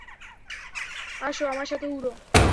আসো, আমার সাথে উড়ো।